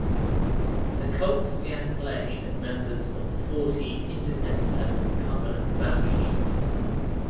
The Colts began play as members of the four–team Independent level Cumberland Valley League.